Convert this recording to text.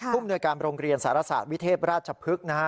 ทุ่มโดยการโรงเรียนสารศาสตร์วิเทพราชพฤกษ์